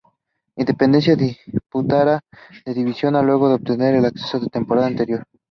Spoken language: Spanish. Independencia disputarán la Divisional A luego de obtener el ascenso la temporada anterior.